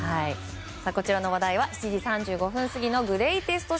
こちらの話題は７時３５分過ぎのグレイテスト